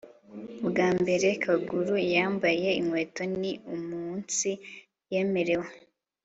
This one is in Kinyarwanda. ubwa mbere kagure yambaye inkweto ni umunsi yemerewe